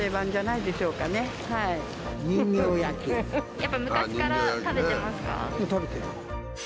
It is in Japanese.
やっぱ昔から食べてますか？